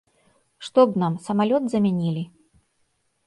Што б нам, самалёт замянілі?